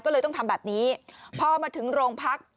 ก็เลยต้องทำแบบนี้พอมาถึงโรงพัก